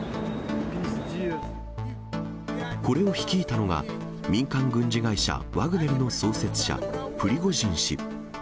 これを率いたのが、民間軍事会社、ワグネルの創設者、プリゴジン氏。